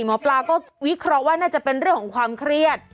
หมอปลาก็วิเคราะห์ว่าน่าจะเป็นเรื่องของความเครียด